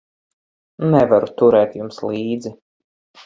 Nevaru turēt jums līdzi.